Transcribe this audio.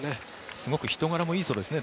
すごく人柄もいいそうですね。